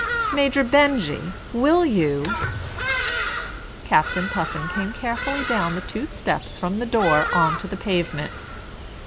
"Major Benjy, will you " Captain Puffin came carefully down the two steps from the door on to the pavement.